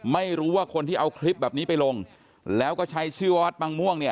ไม่รู้ว่าคนที่เอาคลิปแบบนี้ไปลงแล้วก็ใช้ชื่อว่าวัดบางม่วงเนี่ย